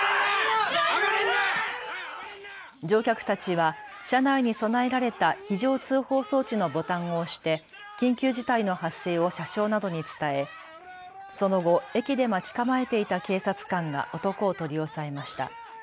乗客たちは車内に備えられた非常通報装置のボタンを押して緊急事態の発生を車掌などに伝えその後、駅で待ち構えていた警察官が男を取り押さえました。